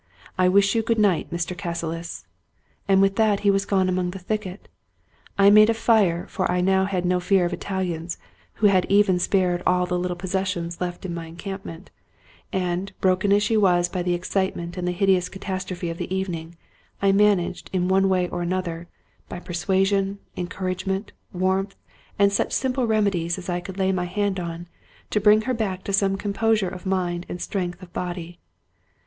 I wish you a good night, Mr. Cassilis." And with that he was gone among the thicket. I made a fire, for I had now no fear of the Italians, who had even spared all the little possessions left in my encampment; 209 Scotch Mystery Stories and, broken as she was by the excitement and the hideous catastrophe of the evening, I managed, in one way or another — ^by persuasion, encouragement, warmth, and such simple remedies as I could lay my hand on — ^to bring her back to some composure of mind and strength of body.